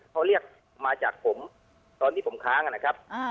เขาเรียกมาจากผมตอนที่ผมค้างนะครับ